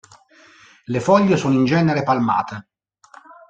Le foglie sono in genere palmate.